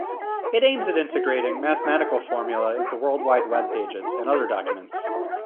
It aims at integrating mathematical formulae into World Wide Web pages and other documents.